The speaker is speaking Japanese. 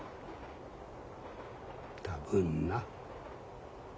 多分な。